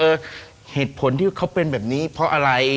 เหตุผลที่เขาเป็นแบบนี้เพราะอะไร